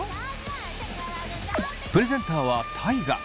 プレゼンターは大我。